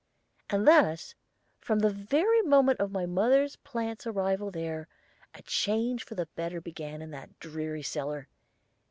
And thus, from the very moment of my mother plant's arrival there, a change for the better began in that dreary cellar.